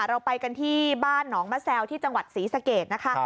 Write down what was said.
เราไปกันที่บ้านหนองมะแซวที่จังหวัดศรีสะเกดนะคะ